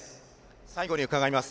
最後に伺います。